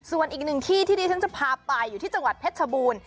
ส่วนอีกหนึ่งที่ที่ฉันจะพาไปอยู่ที่จังหวัดเพชรชบูรณ์